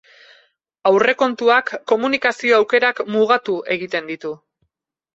Aurrekontuak komunikazio-aukerak mugatu egiten ditu.